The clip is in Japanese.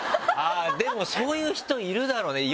でもそういう人いるだろうね。